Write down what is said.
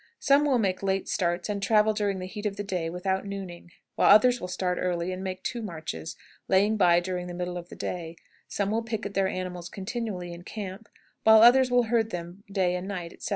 Some will make late starts and travel during the heat of the day without nooning, while others will start early and make two marches, laying by during the middle of the day; some will picket their animals continually in camp, while others will herd them day and night, etc.